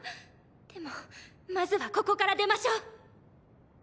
でもまずはここから出ましょう。